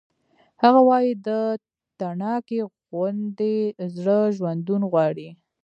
هغه وایی د تڼاکې غوندې زړه ژوندون غواړي